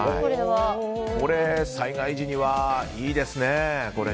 これ、災害時にはいいですね。